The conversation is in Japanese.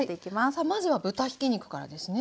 さあまずは豚ひき肉からですね？